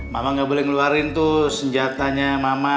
mama gak boleh ngeluarin tuh senjatanya mama